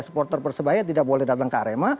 supporter persebaya tidak boleh datang ke arema